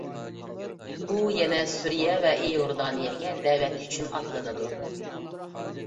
ئۇ يەنە سۈرىيە ۋە ئىيوردانىيەگە دەۋەت ئۈچۈن ئاتلىنىدۇ.